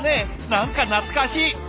何か懐かしい。